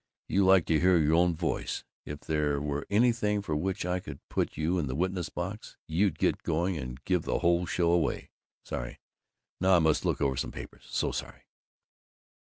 You like to hear your own voice. If there were anything for which I could put you in the witness box, you'd get going and give the whole show away. Sorry. Now I must look over some papers So sorry."